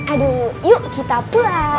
aduh yuk kita pulang